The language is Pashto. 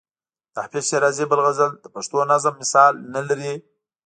د حافظ شیرازي بل غزل د پښتو نظم مثال نه لري.